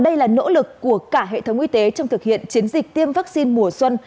đây là nỗ lực của cả hệ thống y tế trong thực hiện chiến dịch tiêm vaccine mùa xuân